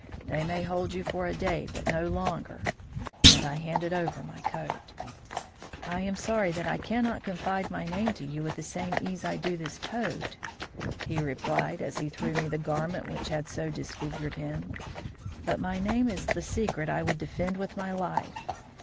They may hold you for a day, but no longer,' and I handed over my coat. "'I am sorry that I cannot confide my name to you with the same ease I do this coat,' he replied, as he threw me the garment which had so disfigured him. 'But my name is the secret I would defend with my life.